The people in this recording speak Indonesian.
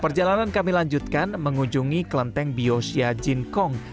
perjalanan kami lanjutkan mengunjungi kelenteng biosya jin kong